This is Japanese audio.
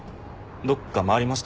どっか回りました？